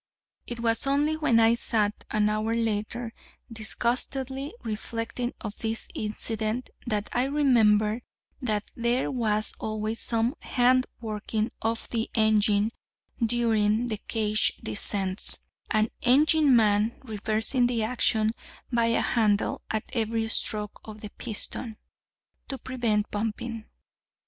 It was only when I sat, an hour later, disgustedly reflecting on this incident, that I remembered that there was always some 'hand working' of the engine during the cage descents, an engineman reversing the action by a handle at every stroke of the piston, to prevent bumping.